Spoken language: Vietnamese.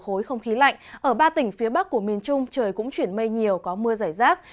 khối không khí lạnh ở ba tỉnh phía bắc của miền trung trời cũng chuyển mây nhiều có mưa giải rác